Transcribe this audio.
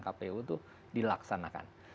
kpu itu dilaksanakan